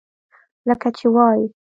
لکه چې وائي ۔